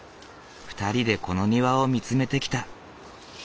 ２人でこの庭を見つめてきた。